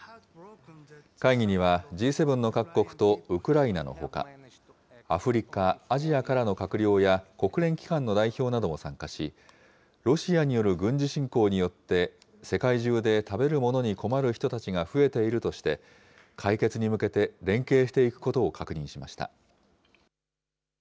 会議には、Ｇ７の各国とウクライナのほか、アフリカ、アジアからの閣僚や国連機関の代表なども参加し、ロシアによる軍事侵攻によって、世界中で食べるものに困る人たちが増えているとして、解決に向けて連携していくことを確認しました。